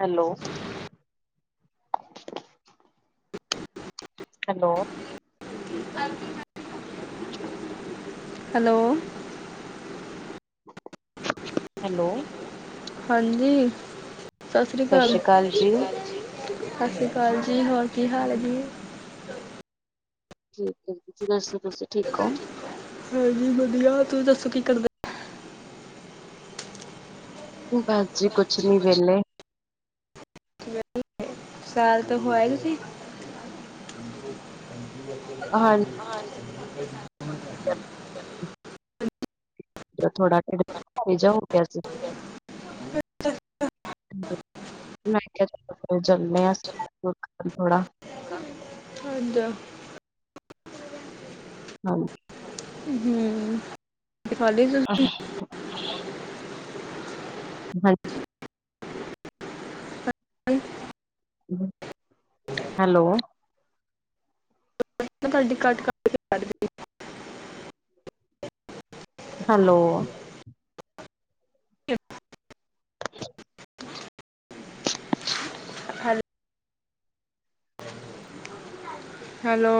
Hello hello ਹਾਂਜੀ - ਹਾਂਜੀ। [inaudible] Hello hello ਹਾਂਜੀ ਸਤਿ ਸ੍ਰੀ ਅਕਾਲ, ਸਤਿ ਸ੍ਰੀ ਅਕਾਲ ਜੀ, ਹੋਰ ਕੀ ਹਾਲ ਹੈ ਜੀ? ਠੀਕ ਹੈ, ਤੁਸੀਂ ਦੱਸੋ ਤੁਸੀਂ ਠੀਕ ਓ? ਹਾਂਜੀ ਵਧੀਆ, ਤੁਸੀ ਦੱਸੋ ਕੀ ਕਰਦੇ? ਬਸ ਜੀ ਕੁਛ ਨੀ, ਵੇਲੇ। ਵਿਸ਼ਾਲ ਤੋਂ ਹੋ ਆਏ ਤੁਸੀਂ? ਹਾਂਜੀ ਥੋੜਾ ਜਾ [unintelligible] ਹੋ ਗਿਆ ਸੀ। ਮੈਂ ਕਿਹਾ, ਚਲੋ ਫੇਰ ਚੱਲਦੇੇ ਆ, [unintelligible] ਥੋੜਾ [unintelligible] ਤੁਹਾਡਾ ਹਾਂ ਹੰ, ਰੋਟੀ ਖਾ ਲੀ ਤੁਸੀਂ? ਹਾਂਜੀ। ਮੈਂ ਹੈਲੋ ਅਵਾਜ਼ ਤੁਹਾਡੀ ਕੱਟ ਕੱਟ ਕੇ ਆ ਰਹੀ ਸੀ। ਹੈਲੋ [inaudible] [inaudible] ਹਾਂਜ ਹੈਲੋ